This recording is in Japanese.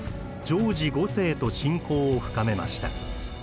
ジョージ５世と親交を深めました。